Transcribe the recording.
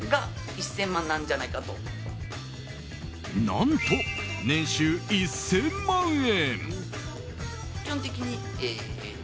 何と、年収１０００万円。